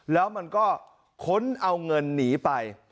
แล้วมันก็ค้นเอาเงินหนีไป